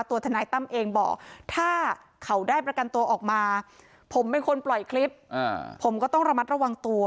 ทนายตั้มเองบอกถ้าเขาได้ประกันตัวออกมาผมเป็นคนปล่อยคลิปผมก็ต้องระมัดระวังตัว